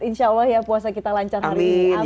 insya allah ya puasa kita lancar hari